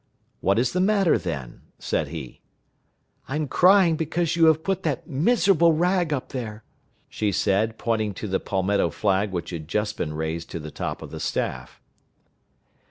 "What is the matter, then?" said he. "I am crying because you have put that miserable rag up there," she said, pointing to the Palmetto flag which had just been raised to the top of the staff.